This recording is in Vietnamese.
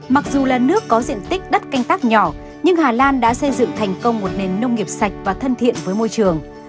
mặc dù là nước có diện tích đất canh tác nhỏ nhưng hà lan đã xây dựng thành công một nền nông nghiệp sạch và thân thiện với môi trường